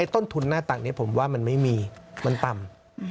ต้นทุนหน้าตักนี้ผมว่ามันไม่มีมันต่ำ